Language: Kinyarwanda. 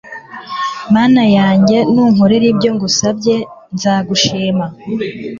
mana yanjye nunkorera ibyo ngusabye nzagushima!